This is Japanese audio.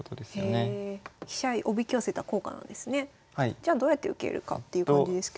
じゃあどうやって受けるかっていう感じですけど。